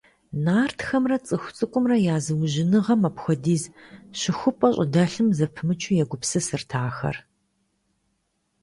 Нартхэмрэ цӀыху цӀыкӀумрэ я зыужьыныгъэм апхуэдиз щыхупӀэ щӀыдэлъым зэпымычу егупсысырт ахэр.